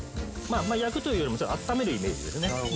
焼くというよりあっためるイメージですね。